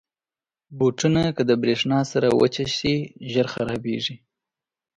بوټونه که د برېښنا سره وچه شي، ژر خرابېږي.